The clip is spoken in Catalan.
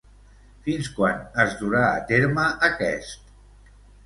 Fins quan es durà a terme aquest?